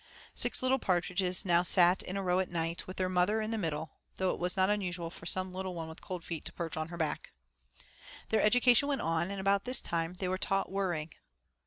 Six little partridges now sat in a row at night, with their mother in the middle, though it was not unusual for some little one with cold feet to perch on her back. Their education went on, and about this time they were taught 'whirring.'